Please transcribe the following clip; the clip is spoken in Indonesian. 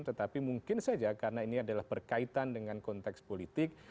tetapi mungkin saja karena ini adalah berkaitan dengan konteks politik